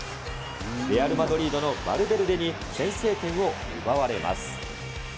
レアル・マドリードのバルベルデに先制点を奪われます。